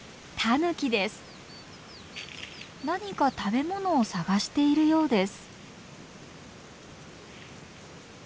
何か食べものを探しているようです。